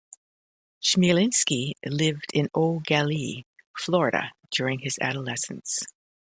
Chmielinski lived in Eau Gallie, Florida during his adolescence.